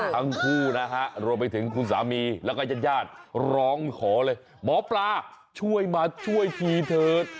ทั้งคู่นะฮะรวมไปถึงคุณสามีแล้วก็ญาติญาติร้องขอเลยหมอปลาช่วยมาช่วยทีเถิด